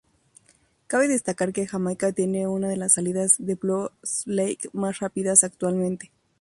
Cabe destacar que Jamaica tiene una de las salidas en bobsleigh más rápidas actualmente.